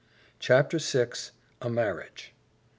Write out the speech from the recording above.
Chapter VI. A Marriage!